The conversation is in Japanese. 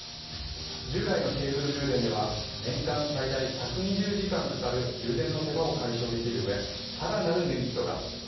従来のケーブル充電では年間最大１２０時間かかる充電の手間を解消できるうえ更なるメリットが。